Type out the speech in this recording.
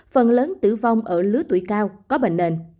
phần lớn tử vong ở lứa tuổi cao có bệnh nền